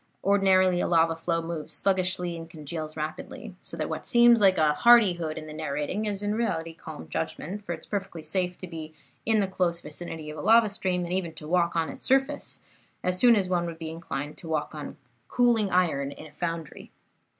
Ordinarily a lava flow moves sluggishly and congeals rapidly, so that what seems like hardihood in the narrating is in reality calm judgment, for it is perfectly safe to be in the close vicinity of a lava stream, and even to walk on its surface as soon as one would be inclined to walk on cooling iron in a foundry.